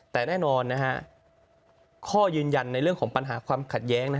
แต่แน่นอนข้อยืนยันในเรื่องของปัญหาความขัดแย้ง